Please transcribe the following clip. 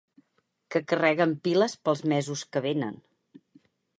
Que carreguen piles pels mesos que vénen.